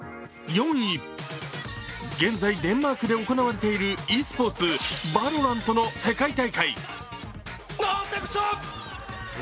現在デンマークで行われているｅスポーツＶＡＬＯＲＡＮＴの世界大会。